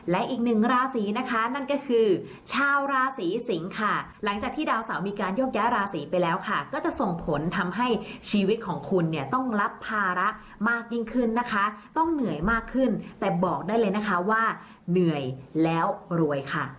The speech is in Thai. และอีกหนึ่งราศีนะคะนั่นก็คือชาวราศีสิงค่ะหลังจากที่ดาวเสามีการโยกย้ายราศีไปแล้วค่ะก็จะส่งผลทำให้ชีวิตของคุณเนี่ยต้องรับภาระมากยิ่งขึ้นนะคะต้องเหนื่อยมากขึ้นแต่บอกได้เลยนะคะว่าเหนื่อยแล้วรวยค่ะ